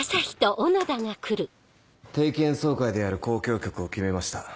定期演奏会でやる交響曲を決めました。